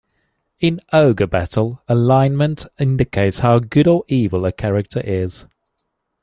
In "Ogre Battle", alignment indicates how good or evil a character is.